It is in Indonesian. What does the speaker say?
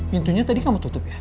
pintunya tadi kamu tutup ya